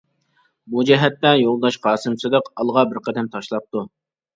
بۇ جەھەتتە يولداش قاسىم سىدىق ئالغا بىر قەدەم تاشلاپتۇ.